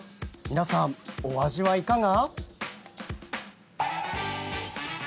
皆さん、お味はいかが？